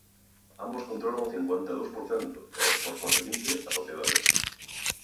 Ambos controlan o cincuenta e dous por cento e, por conseguinte, a sociedade.